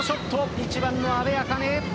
１番の阿部明音。